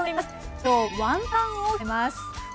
今日はワンタンを極めます。